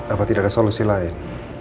apa tidak ada solusi lain